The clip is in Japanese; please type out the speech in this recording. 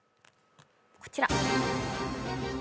こちら。